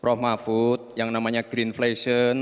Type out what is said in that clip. prof mahfud yang namanya green flation